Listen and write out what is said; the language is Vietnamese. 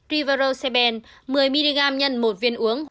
rivaroseben một mươi mg x một viên uống